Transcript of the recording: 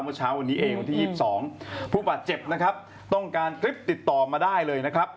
เมื่อเช้าวันนี้เองวันที่๒๒ผู้บาดเจ็บนะครับต้องการคลิปติดต่อมาได้เลยนะครับ